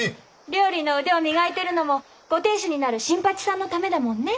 料理の腕を磨いてるのもご亭主になる新八さんのためだもんね。